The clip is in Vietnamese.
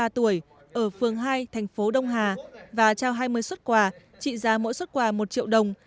ba mươi ba tuổi ở phường hai thành phố đông hà và trao hai mươi xuất quà trị giá mỗi xuất quà một triệu đồng